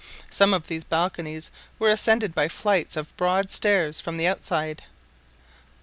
Some of these balconies were ascended by flights of broad stairs from the outside.